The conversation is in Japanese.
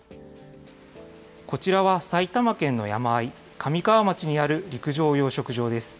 こちらは埼玉県の山あい、神川町にある陸上養殖場です。